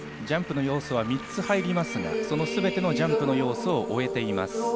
ジャンプの要素は３つ入りますが、そのすべてのジャンプの要素を終えています。